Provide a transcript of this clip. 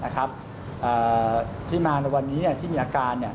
แต่ที่มาวันนี้ที่มีอาการ